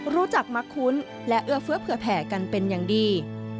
รู้จักมักคุ้นและเอื้อเฟื้อเผื่อแผ่กันเป็นอย่างดี